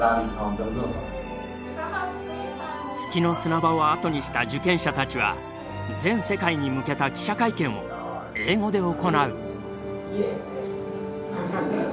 月の砂場をあとにした受験者たちは全世界に向けた記者会見を英語で行う。